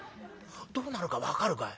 どうなるか分かるかい？